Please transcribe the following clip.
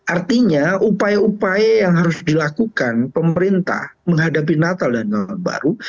artinya upaya upaya yang harus dilakukan pemerintah menghadapi natal dan tahun baru